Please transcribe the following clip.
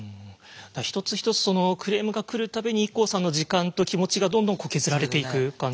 一つ一つクレームが来る度にＩＫＫＯさんの時間と気持ちがどんどん削られていく感じ。